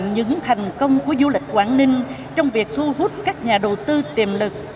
những thành công của du lịch quảng ninh trong việc thu hút các nhà đầu tư tiềm lực